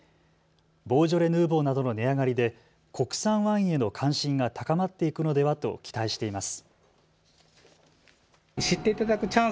ボージョレ・ヌーボーなどの値上がりで国産ワインへの関心が高まっていくのではと期待しています。